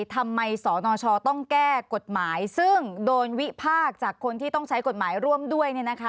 ทำไมสนชต้องแก้กฎหมายซึ่งโดนวิพากษ์จากคนที่ต้องใช้กฎหมายร่วมด้วย